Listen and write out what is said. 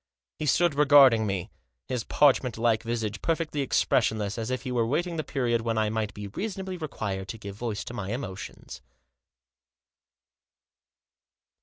He stood regarding me, his parchment like visage perfectly expressionless, as if he were awaiting the period when I might be reasonably required to give voice to my emotions.